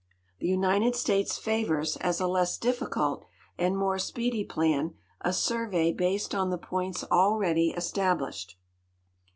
The United States fiivors, as a less difficult and more speedy plan, a survey based on the points already established.